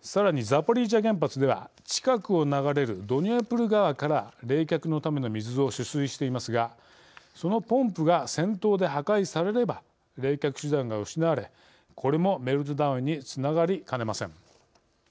さらにザポリージャ原発では近くを流れるドニエプル川から冷却のための水を取水していますがそのポンプが戦闘で破壊されれば冷却手段が失われこれもメルトダウンにつながりかねません。